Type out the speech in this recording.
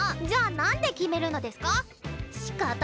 じゃあ何で決めるのデスカ？